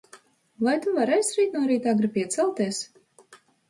Vai Tu varēsi rīt no rīta agri piecelties?